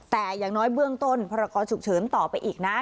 แต่อย่างน้อยเบื้องต้นพรกรฉุกเฉินต่อไปอีกนะ